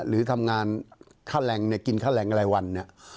หรือทำงานค่าแรงเนี่ยกินค่าแรงรายวันเนี่ย